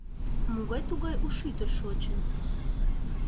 Могай-тугай у шӱдыр шочын?»